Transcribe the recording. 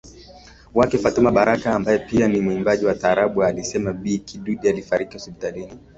wake Fatuma Baraka ambaye pia ni muimbaji wa Taraabu Alisema Bi Kidude alifariki hospitalini